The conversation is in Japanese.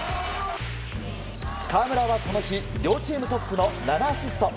河村はこの日両チームトップの７アシスト。